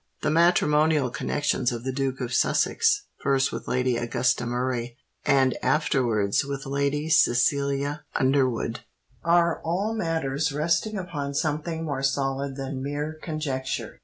The matrimonial connexions of the Duke of Sussex—first with Lady Augusta Murray, and afterwards with Lady Cecilia Underwood, are all matters resting upon something more solid than mere conjecture."